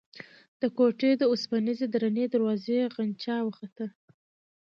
د کوټې د اوسپنيزې درنې دروازې غنجا وخته.